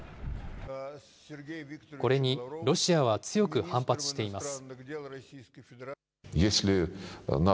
これにロシアは強く反発しています。